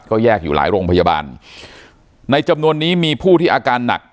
ก็แยกอยู่หลายโรงพยาบาลในจำนวนนี้มีผู้ที่อาการหนัก